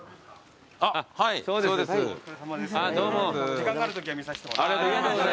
時間があるときは見させてもらってます。